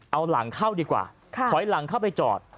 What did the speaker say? เอาหลังเข้าดีกว่าถอยหลังเข้าไปจอด